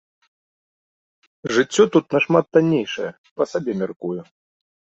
Жыццё тут нашмат таннейшае, па сабе мяркую.